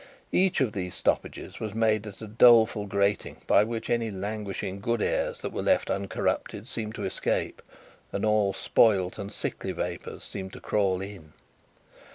Each of these stoppages was made at a doleful grating, by which any languishing good airs that were left uncorrupted, seemed to escape, and all spoilt and sickly vapours seemed to crawl in.